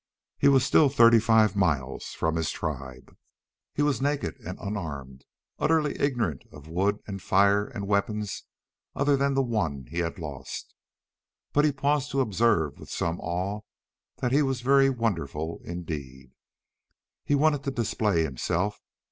He was still thirty five miles from his tribe; he was naked and unarmed, utterly ignorant of wood and fire and weapons other than the one he had lost. But he paused to observe with some awe that he was very wonderful indeed. He wanted to display himself.